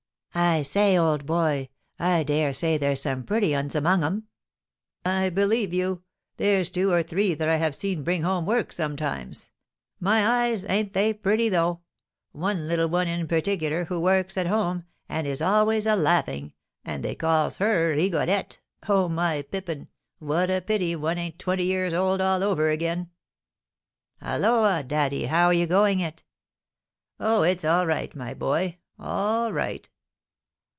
"I say, old boy, I dare say there's some pretty uns among 'em?" "I believe you. There's two or three that I have seen bring home work sometimes, my eyes, ain't they pretty, though? One little one in particular, who works at home, and is always a laughing, and they calls her Rigolette, oh, my pippin, what a pity one ain't twenty years old all over again!" "Halloa, daddy, how you are going it!" "Oh, it's all right, my boy, all right!"